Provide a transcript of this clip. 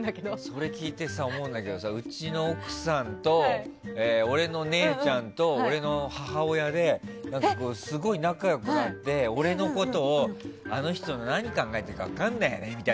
それ聞いて思うんだけどうちの奥さんと俺の姉ちゃんと俺の母親ですごい仲良くなって、俺のことをあの人何考えてるか分からないよねって